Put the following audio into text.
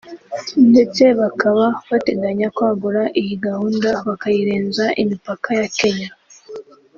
ndetse bakaba bateganya kwagura iyi gahunda bakayirenza imipaka ya Kenya